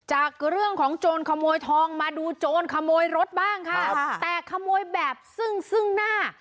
จากเรื่องของโจรขโมยทองมาดูโจรขโมยรถบ้างค่ะแต่ขโมยแบบซึ่งซึ่งหน้า